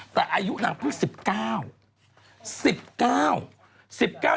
แต่อายุนางเพิ่ง๑๙